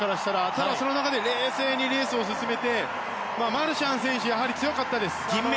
ただその中で冷静にレースを進めてマルシャン選手やはり強かったです。